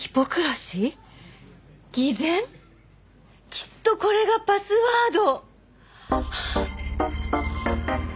きっとこれがパスワード。